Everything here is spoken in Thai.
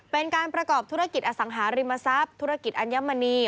เป็นการประกอบธุรกิจอสังหาริมทรัพย์ธุรกิจอัญมณี